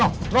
nih di situ